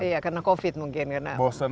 iya karena covid mungkin karena